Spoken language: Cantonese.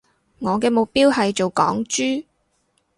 我嘅目標係做港豬